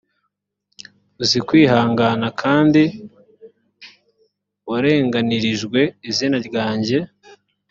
uzi kwihangana kandi warenganirijwe izina ryanjye